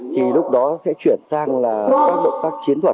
thì lúc đó sẽ chuyển sang là các động tác chiến thuật